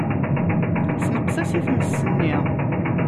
Ssenqes-as i tmes-nni.